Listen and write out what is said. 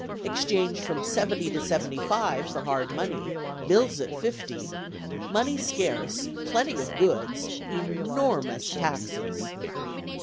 Exchange from seventy to seventy five for hard money. Bills at fifty. Money scarce; plenty of goods; enormous taxes."